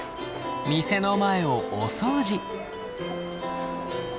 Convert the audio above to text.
店の前をお掃除。